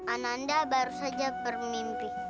ananda baru saja bermimpi